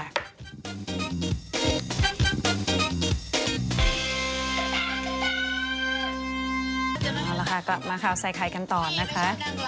เอาละค่ะกลับมาข่าวใส่ไข่กันต่อนะคะ